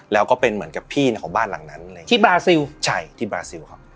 แล้วก็เป็นเหมือนกับพี่ของบ้านหลังนั้นอะไรอย่างนี้ที่บราซิลใช่ที่บราซิลครับ